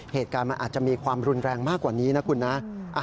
เหตุการณ์มันอาจจะมีความรุนแรงมากกว่านี้นะคุณนะ